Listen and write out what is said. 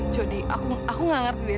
jadi aku nggak ngerti deh